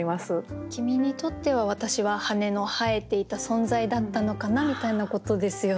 「きみ」にとっては私は羽根の生えていた存在だったのかなみたいなことですよね。